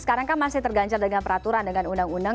sekarang kan masih terganjar dengan peraturan dengan undang undang